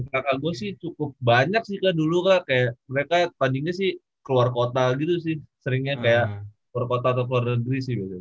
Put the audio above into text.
kakak gue sih cukup banyak sih kak dulu kak kayak mereka tandingnya sih keluar kota gitu sih seringnya kayak keluar kota atau keluar negeri sih gitu